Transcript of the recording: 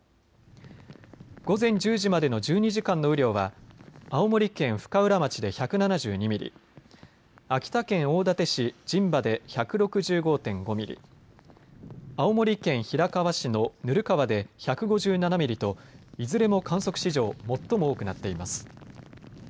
午前１０時までの１２時間の雨量は青森県深浦町で１７２ミリ、秋田県大館市陣馬で１６５．５ミリ、青森県平川市の温川で１５７ミリといずれも観測史上最も多くなっています。